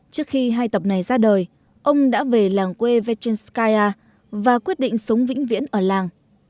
trước khi hai tập này ra đời ông đã về làng quê vechenskaya và quyết định sống vĩnh viễn ở làng